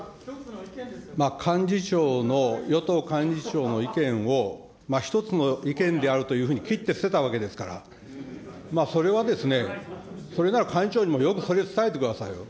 幹事長の、与党幹事長の意見を一つの意見であるというふうに切って捨てたわけですから、それはですね、それなら幹事長にも、よくそれ伝えてくださいよ。